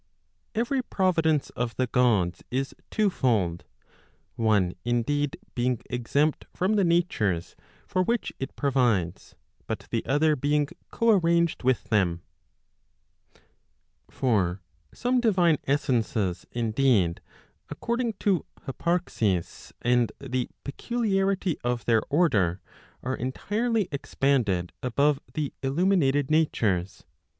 Every providence of the Gods is twofold, one indeed being exempt from the natures for which it provides, but the other being co arranged with them. For some divine essences indeed, according to hyparxis, and the peculiarity of their order, are entirely expanded above the illuminated natures.